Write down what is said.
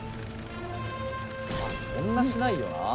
まあそんなしないよなあ。